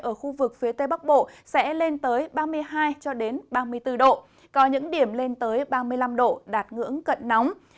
ở khu vực phía tây bắc bộ sẽ lên tới ba mươi hai ba mươi bốn độ có những điểm lên tới ba mươi năm độ đạt ngưỡng cận nóng